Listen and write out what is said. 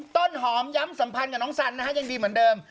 ต้นหอมย้ำสัมพันธ์กับน้องสันนะฮะยังดีเหมือนเดิม